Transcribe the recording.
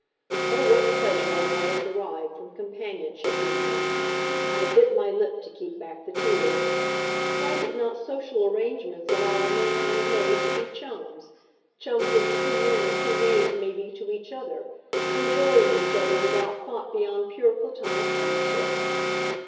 Oh, what pleasure I might have derived from companionship with him! I bit my lip to keep back the tears. Why did not social arrangements allow a man and a maid to be chums chums as two men or two maids may be to each other, enjoying each other without thought beyond pure platonic friendship?